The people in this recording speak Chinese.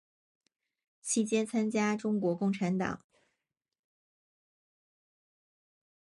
期间参加中国共产党。